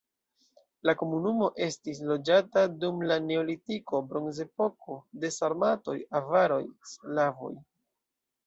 La komunumo estis loĝata dum la neolitiko, bronzepoko, de sarmatoj, avaroj, slavoj.